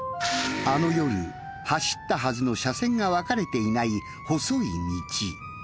あの夜走ったはずの車線が分かれていない細い道。